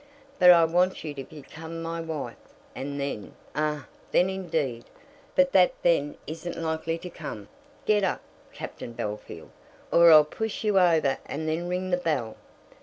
"But I want you to become my wife, and then " "Ah, then indeed! But that then isn't likely to come. Get up, Captain Bellfield, or I'll push you over and then ring the bell.